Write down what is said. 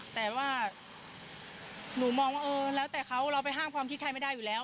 แต่ว่าหนูมองว่าแล้วแต่เขาเราไปห้ามที่ที่มันเฮื่อไม่ได้อยู่แล้ว